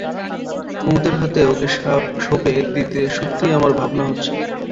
কুমুদের হাতে ওকে সঁপে দিতে সত্যি আমার ভাবনা হচ্ছে।